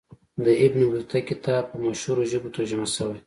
د ابن بطوطه کتاب په مشهورو ژبو ترجمه سوی.